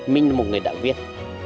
mình là một người đã viết